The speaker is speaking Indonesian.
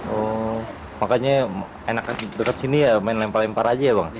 oh makanya enak dekat sini ya main lempar lempar aja ya bang